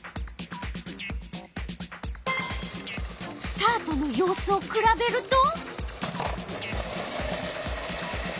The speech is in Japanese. スタートの様子をくらべると？